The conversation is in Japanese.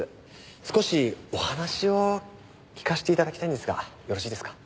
少しお話を聞かせて頂きたいんですがよろしいですか？